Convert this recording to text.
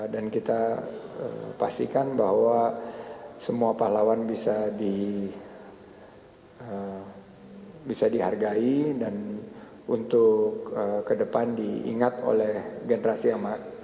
dan kita pastikan bahwa semua pahlawan bisa dihargai dan untuk ke depan diingat oleh generasi yang lain